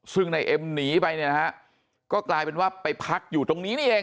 ซึ่งนายเอ็มหนีไปเนี่ยนะฮะก็กลายเป็นว่าไปพักอยู่ตรงนี้นี่เอง